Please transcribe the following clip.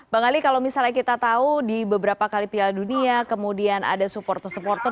bang ali kalau misalnya kita tahu di beberapa kali piala dunia kemudian ada supporter supporter